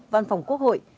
văn phòng quốc hội